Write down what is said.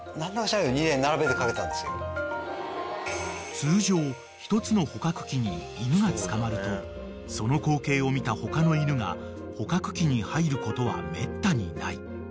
［通常１つの捕獲器に犬が捕まるとその光景を見た他の犬が捕獲器に入ることはめったにない］